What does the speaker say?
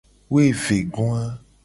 Woevegoa.